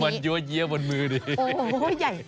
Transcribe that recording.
ดูมันยั่วเยี่ยมบนมือดิ